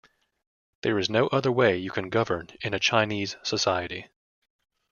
There is no other way you can govern in a Chinese society.